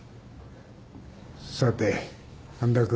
さて半田君。